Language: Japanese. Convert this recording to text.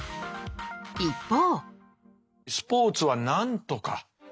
一方。